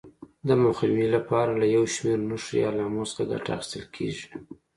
د مخنیوي لپاره له یو شمېر نښو یا علامو څخه ګټه اخیستل کېږي.